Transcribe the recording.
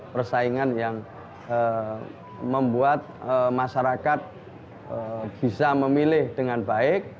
persaingan yang membuat masyarakat bisa memilih dengan baik